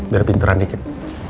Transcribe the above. biar pintaran dikit